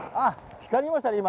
光りましたね、今。